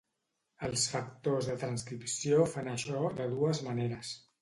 Els factors de transcripció fan això de dues maneres.